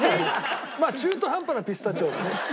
まあ中途半端なピスタチオだよね。